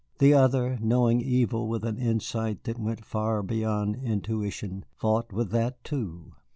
The other, knowing evil with an insight that went far beyond intuition, fought with that, too.